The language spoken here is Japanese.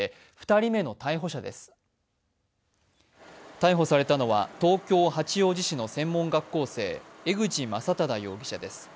逮捕されたのは東京・八王子市の専門学校生、江口容疑者です。